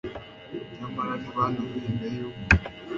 nyamara ntibanamenyaga yuko